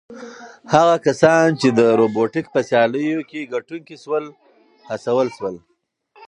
هغه کسان چې د روبوټیک په سیالیو کې ګټونکي شول هڅول شول.